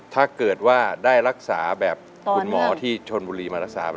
ถ้าเกิดว่าได้รักษาแบบคุณหมอที่ชนบุรีมารักษา